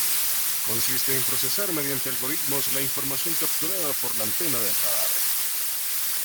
Consiste en procesar mediante algoritmos la información capturada por la antena del radar.